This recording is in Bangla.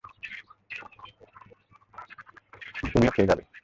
তুমিও খেয়ে যাবে।